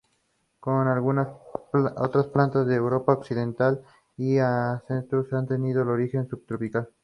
Establecimientos de gestión pública y privada.